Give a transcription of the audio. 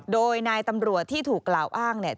โดยนายตำรวจที่ถูกกล่าวอ้างเนี่ย